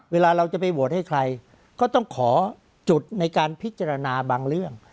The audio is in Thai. เวลาเราจะไปโหวตให้ใครก็ต้องขอจุดในการพิจารณาบางเรื่อง